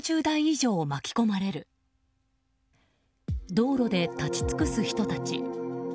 道路で立ち尽くす人たち。